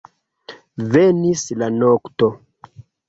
Venis la nokto.